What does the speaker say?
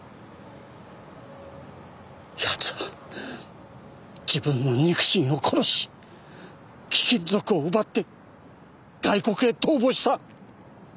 奴は自分の肉親を殺し貴金属を奪って外国へ逃亡した。